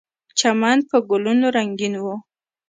چمن په ګلونو رنګین و.